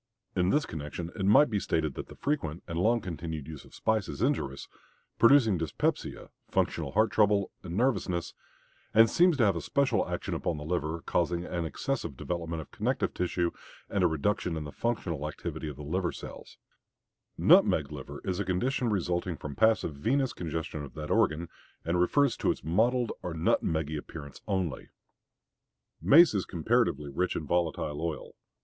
In this connection it might be stated that the frequent and long continued use of spices is injurious, producing dyspepsia, functional heart trouble, and nervousness, and seems to have a special action upon the liver, causing an excessive development of connective tissue and a reduction in the functional activity of the liver cells: "Nutmeg liver" is a condition resulting from passive venous congestion of that organ, and refers to its mottled or nut meggy appearance only. Mace is comparatively rich in volatile oil.